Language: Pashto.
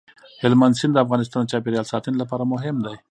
هلمند سیند د افغانستان د چاپیریال ساتنې لپاره مهم دی.